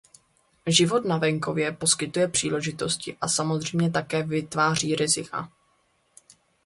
Život na venkově poskytuje příležitosti a samozřejmě také vytváří rizika.